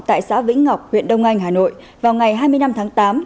tại xã vĩnh ngọc huyện đông anh hà nội vào ngày hai mươi năm tháng tám